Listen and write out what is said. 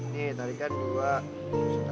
nih tarikan dua seterang satu